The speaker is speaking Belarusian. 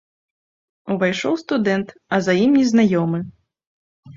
Увайшоў студэнт, а за ім незнаёмы.